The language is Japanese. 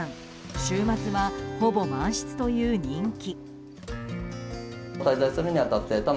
週末はほぼ満室という人気。